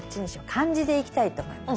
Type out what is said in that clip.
漢字でいきたいと思います。